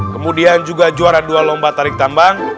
kemudian juga juara dua lomba tarik tambang